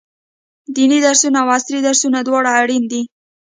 ديني درسونه او عصري درسونه دواړه اړين دي.